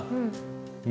うん。